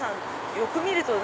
よく見ると。